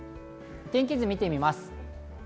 天気図を見てみます。